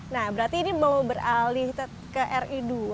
nah berarti ini mau beralih ke ri dua